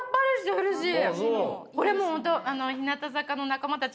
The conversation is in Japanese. うれしい。